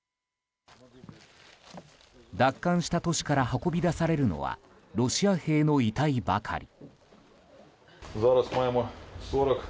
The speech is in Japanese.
奪還した都市から運び出されるのはロシア兵の遺体ばかり。